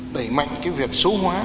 đẩy mạnh cái việc số hóa